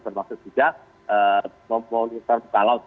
berpaksa juga keputusan memperbaiki kembungan kembungan ini akan kita pantau terus